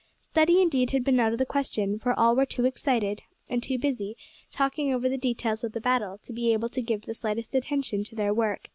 Study indeed had been out of the question, for all were too excited and too busy talking over the details of the battle to be able to give the slightest attention to their work.